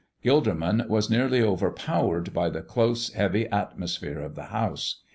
Gilderman was nearly overpowered by the close, heavy atmosphere of the house.